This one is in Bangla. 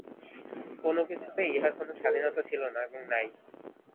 কোন কিছুতেই ইহার কোন স্বাধীনতা ছিল না এবং নাই।